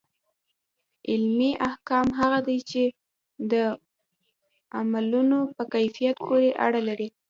عملي احکام هغه دي چي د عملونو په کيفيت پوري اړه لري.